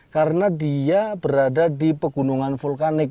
karena dia berada di pegunungan vulkanik